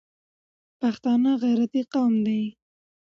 پښتانه غیرتي قوم دي